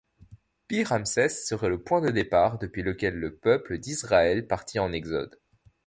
Pi-Ramsès serait le point de départ depuis lequel le peuple d'Israël partit en Exode.